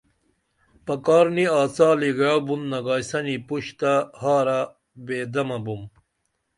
پکار نی آڅالی گعئو بُن نگائیسنی پُش تہ ہارہ بے دمہ بُم